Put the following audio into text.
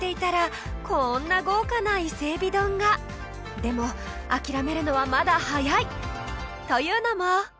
でも諦めるのはまだ早い！というのも！